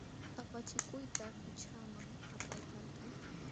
Apachikuyta qućhaman apaykalkan.